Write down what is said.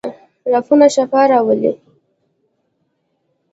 لاسونه شفا راولي